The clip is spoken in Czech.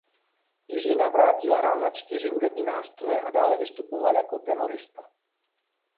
Jiří Navrátil hrál na čtyři hudební nástroje a dále vystupoval jako tenorista.